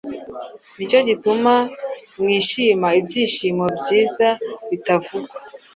ni cyo gituma mwishima ibyishimo byiza bitavugwa,